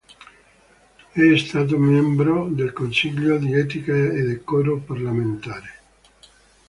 È stato membro del Consiglio di etica e decoro parlamentare.